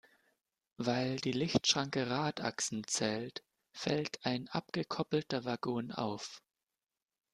Weil die Lichtschranke Radachsen zählt, fällt ein abgekoppelter Waggon auf.